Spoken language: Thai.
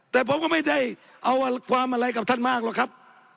แต่ผมก็ไม่ได้เอาความอะไรกับท่านมากหรอกครับ